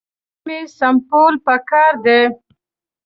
زیرمې سپمول پکار دي.